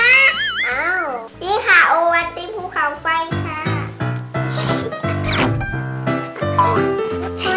อ้าวนี่ค่ะโอวันตีภูเขาไฟค่ะ